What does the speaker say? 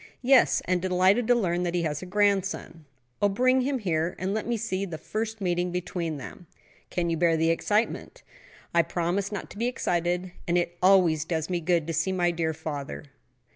"Yes, and delighted to learn that he has a grandson." "Oh, bring him here and let me see the first meeting between them." "Can you bear the excitement?" "I promise not to be excited; and it always does me good to see my dear father."